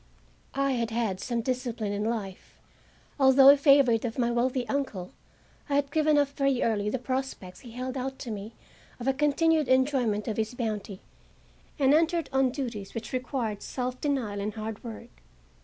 I had had some discipline in life. Although a favorite of my wealthy uncle, I had given up very early the prospects he held out to me of a continued enjoyment of his bounty, and entered on duties which required self denial and hard work.